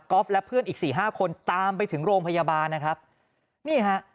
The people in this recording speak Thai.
และเพื่อนอีกสี่ห้าคนตามไปถึงโรงพยาบาลนะครับนี่ฮะ